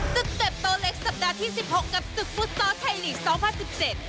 สเต็ปโตเล็กสัปดาห์ที่สิบหกกับศึกฟุตซอลไทยลีกสองพันสิบเจ็ด